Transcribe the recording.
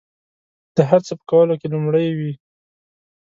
د هر څه په کولو کې لومړي وي.